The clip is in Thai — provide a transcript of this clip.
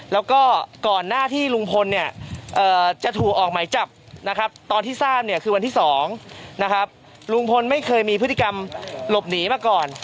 แล้วก็ก่อนหน้าที่ลุงพลจะถูกออกไหมจับตอนที่๓คือวันที่๒ลุงพลไม่เคยมีพฤติกรรมหลบหนีมาก่อน